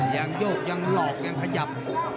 โยกยังหลอกยังขยับ